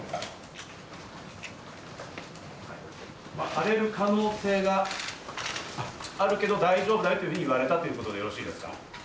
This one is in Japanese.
荒れる可能性があるけど大丈夫だよというふうに言われたということでよろしいですか？